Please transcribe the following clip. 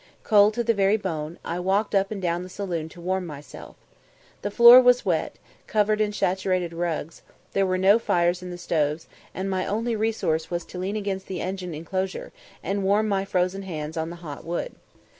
Cold to the very bone, I walked up and down the saloon to warm myself. The floor was wet, and covered with saturated rugs; there were no fires in the stoves, and my only resource was to lean against the engine enclosure, and warm my frozen hands on the hot wood.